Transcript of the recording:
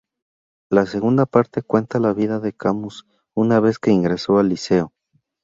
La segunda parte cuenta la vida de Camus una vez que ingresó al Liceo.